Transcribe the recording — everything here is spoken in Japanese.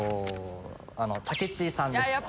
武知さんです。